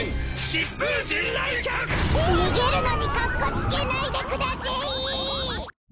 逃げるのにかっこつけないでくだせい！